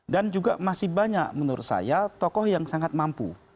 dan juga masih banyak menurut saya tokoh yang sangat mampu